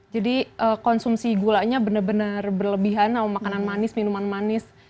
jadi konsumsi gulanya benar benar berlebihan makanan manis minuman manis